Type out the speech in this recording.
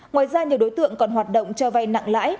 ngoài ra nhiều đối tượng còn hoạt động cho vay nặng lãi